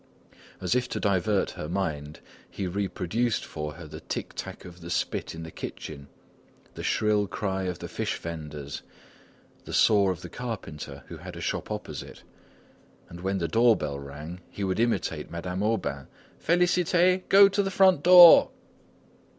As if to divert her mind, he reproduced for her the tick tack of the spit in the kitchen, the shrill cry of the fish vendors, the saw of the carpenter who had a shop opposite, and when the door bell rang, he would imitate Madame Aubain: "Félicité! go to the front door."